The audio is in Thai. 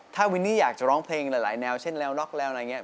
ถ้าวินนี่อยากจะร้องเพลงหลายแนวเช่นแนวน็อกแล้วอะไรอย่างนี้